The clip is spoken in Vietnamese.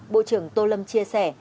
bộ trưởng tô lâm chia sẻ